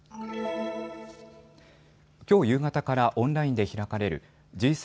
きょう夕方からオンラインで開かれるＧ７・